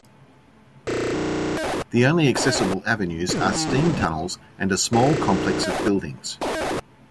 The only accessible avenues are steam tunnels and a small complex of buildings.